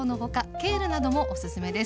ケールなどもおすすめです。